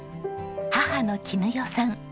母の絹代さん。